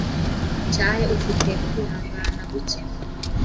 ucyahe ufite kwihangana guke